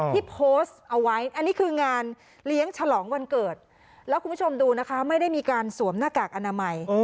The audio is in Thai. ที่โพสต์เอาไว้อันนี้คืองานเลี้ยงฉลองวันเกิดแล้วคุณผู้ชมดูนะคะไม่ได้มีการสวมหน้ากากอนามัย